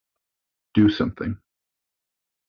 Do something!